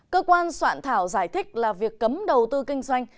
cơ quan soạn thảo giải thích là việc cấm đầu tư kinh doanh